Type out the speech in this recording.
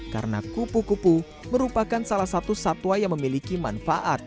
karena kupu kupu merupakan salah satu satwa yang memiliki manfaat